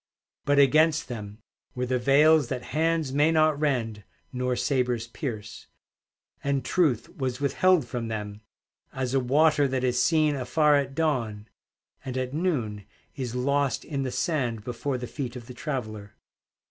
But against them were the veils That hands may not rend nor sabers pierce; And Truth was withheld from them, As a water that is seen afar at dawn, And at noon is lost in the sand Before the feet of the traveller.